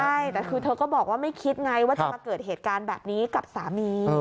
ใช่แต่คือเธอก็บอกว่าไม่คิดไงว่าจะมาเกิดเหตุการณ์แบบนี้กับสามี